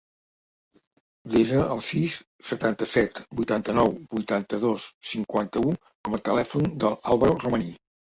Desa el sis, setanta-set, vuitanta-nou, vuitanta-dos, cinquanta-u com a telèfon del Álvaro Romani.